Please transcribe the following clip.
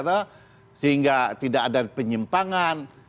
karena sehingga tidak ada penyimpangan